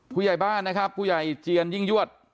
ผู้ใหญ่บ้านนะครับผู้ใหญ่เจียนยิ่งยวด